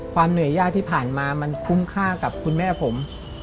เหนื่อยยากที่ผ่านมามันคุ้มค่ากับคุณแม่ผม